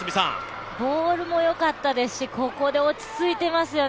ボールもよかったですしここで落ち着いてますよね。